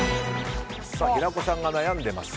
平子さんが悩んでいます。